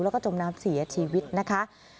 แล้วก็จมน้ำเสียชีวิตนะคะ